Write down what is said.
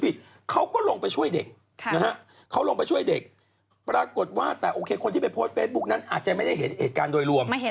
สงสารให้ภาคมาย